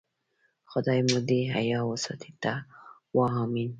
خدای مو دې حیا وساتي، ته وا آمین.